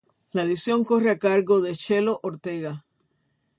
La edición corre a cargo de Chelo Ortega.